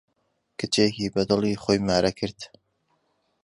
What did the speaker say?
کچێکی بە دڵی خۆی مارە کرد.